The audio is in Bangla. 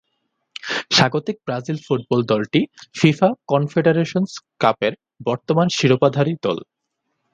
স্বাগতিক ব্রাজিল ফুটবল দলটি ফিফা কনফেডারেশন্স কাপের বর্তমান শিরোপাধারী দল।